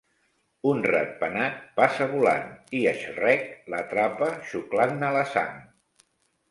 Un ratpenat passa volant i Schreck l'atrapa, xuclant-ne la sang.